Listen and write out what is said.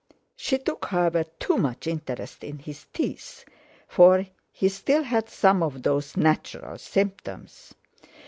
She took, however, too much interest in his teeth, for he still had some of those natural symptoms.